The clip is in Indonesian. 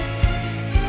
nama itu apa